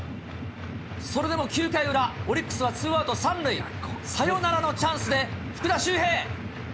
それでも９回裏、オリックスはツーアウト３塁、サヨナラのチャンスで福田周平。